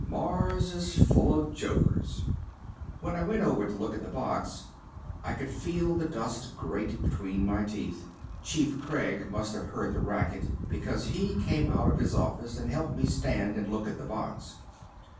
"Mars is full of jokers." When I went over to look at the box I could feel the dust grate between my teeth. Chief Craig must have heard the racket because he came out of his office and helped me stand and look at the box.